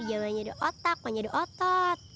jangan nyedot otak mau nyedot otot